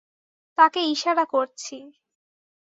তাকে ইশারা করছি।